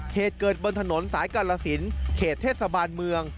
เหตุเกิดบนถนนสายกาลสินเขตเทศบาลเมือง